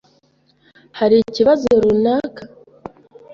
Hari ikibazo runaka?